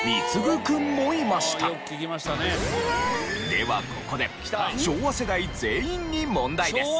ではここで昭和世代全員に問題です。